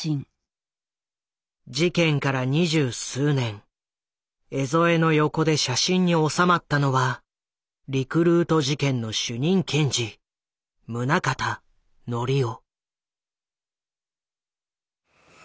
事件から二十数年江副の横で写真に収まったのはリクルート事件の主任検事宗像紀夫。